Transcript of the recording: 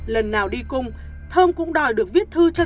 lần nào đi cung thơm cũng đòi được viết thư cho cô ta